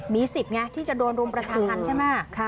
มีสิทธิ์ไงที่จะโดนรุมประชาธรรมใช่ไหม